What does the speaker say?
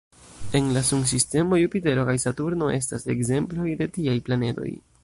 En la Sunsistemo, Jupitero kaj Saturno estas ekzemploj de tiaj planedoj.